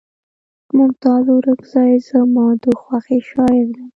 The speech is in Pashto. ممتاز اورکزے زما د خوښې شاعر دے